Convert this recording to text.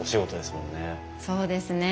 そうですね。